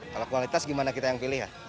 kalau kualitas gimana kita yang pilih ya